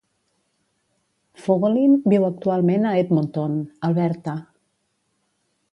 Fogolin viu actualment a Edmonton, Alberta.